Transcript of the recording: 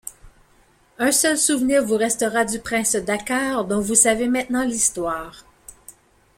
Un seul souvenir vous restera du prince Dakkar, dont vous savez maintenant l’histoire